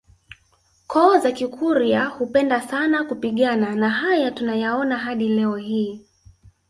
koo za Kikurya hupenda sana kupigana na haya tunayaona hadi leo hii